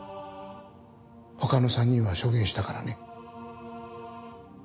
他の３人は証言したからね。